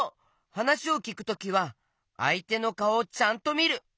はなしをきくときはあいてのかおをちゃんとみる。